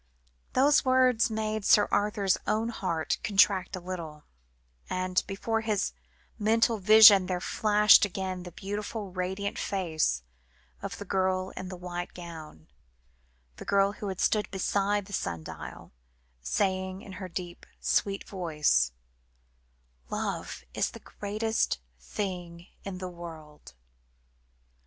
Those words made Sir Arthur's own heart contract a little, and before his mental vision there flashed again the beautiful radiant face of the girl in the white gown, the girl who had stood beside the sun dial, saying in her deep sweet voice "Love is the greatest thing in the world."